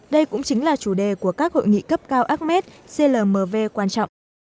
đây cũng chính là chủ đề của các hội nghị cấp cao ames clmv quan trọng